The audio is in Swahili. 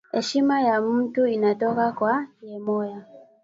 Eshima ya muntu inatoka kwa yemoya